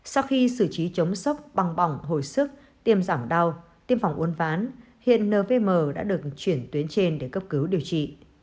sau khi xử trí chống sốc bằng bỏng hồi sức tiêm giảm đau tiêm phòng uốn ván hiện nvm đã được chuyển tuyến trên để cấp cứu điều trị